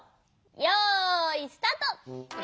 よいスタート！